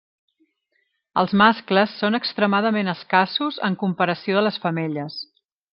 Els mascles són extremadament escassos en comparació de les femelles.